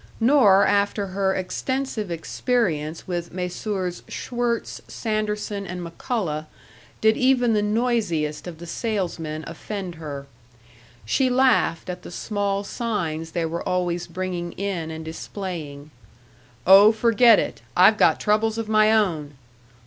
Nor after her extensive experience with Messrs. Schwirtz, Sanderson, and McCullough, did even the noisiest of the salesmen offend her. She laughed at the small signs they were always bringing in and displaying: "Oh, forget it! I've got troubles of my own!"